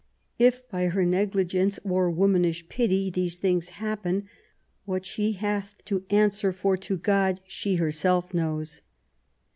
If by her negligence or womanish pity these things happen, what she hath to answer for to God, she herself knows."